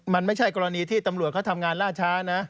มันไม่ใช่กรณีที่ตำรวจเขาทำงานล่าช้านะ